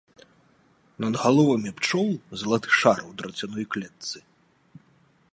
Над галовамі пчол залаты шар у драцяной клетцы.